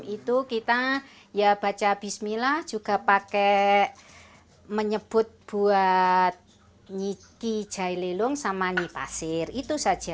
itu kita ya baca bismillah juga pakai menyebut buat nyiki jahililung sama nipasir itu saja